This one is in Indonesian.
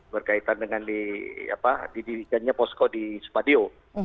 berkaitan dengan di apa didirikannya posko di supadio